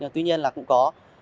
tuy nhiên là cũng có